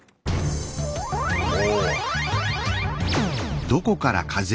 お！